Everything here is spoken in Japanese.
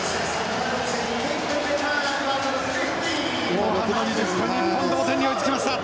後半の２０分日本同点に追いつきました。